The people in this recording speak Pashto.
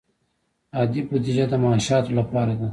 عادي بودجه د معاشاتو لپاره ده